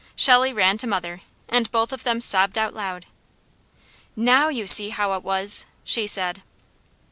Shelley ran to mother and both of them sobbed out loud. "NOW YOU SEE HOW IT WAS!" she said.